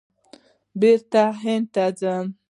بېرته هند ته ځم !